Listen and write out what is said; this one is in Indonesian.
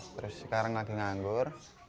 terus sekarang lagi nganggur